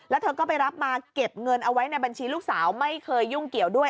แล้วเธอก็ไปรับมาเก็บเงินเอาไว้ในบัญชีลูกสาวไม่เคยยุ่งเกี่ยวด้วย